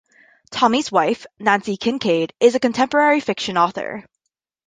Tomey's wife, Nanci Kincaid, is a contemporary fiction author.